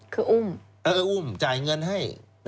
คืออุ้มเอออุ้มจ่ายเงินให้